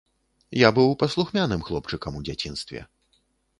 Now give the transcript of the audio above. Я быў паслухмяным хлопчыкам у дзяцінстве.